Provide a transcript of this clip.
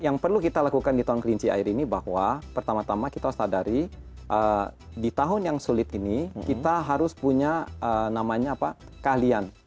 yang perlu kita lakukan di tahun kelinci air ini bahwa pertama tama kita harus sadari di tahun yang sulit ini kita harus punya namanya keahlian